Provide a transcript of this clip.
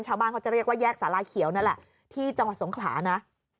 ชาวบ้านเขาจะเรียกว่าแยกสาราเขียวนั่นแหละที่จังหวัดสงขลานะ